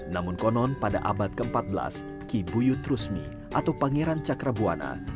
namun konon pada abad ke empat belas ki buyutrusmi atau pangeran cakrabuana